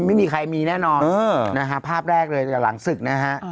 ไม่มีใครมีแน่นอนนะฮะภาพแรกเลยแต่หลังศึกนะฮะ